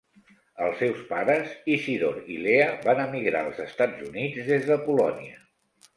Els seus pares, Isidor i Leah, van emigrar als Estats Units des de Polònia.